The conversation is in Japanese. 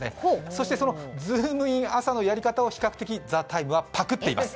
そしてその「ズームイン！朝」のやり方を比較的「ＴＨＥＴＩＭＥ，」がパクっています。